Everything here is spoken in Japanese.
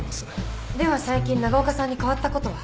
では最近長岡さんに変わったことは？